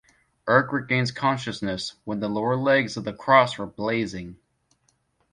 Erg regains consciousness when the lower legs of the cross were blazing.